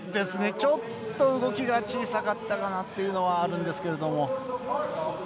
ちょっと、動きが小さかったかなというのがあるんですけど。